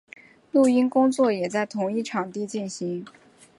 录音工作也在同一场地上进行。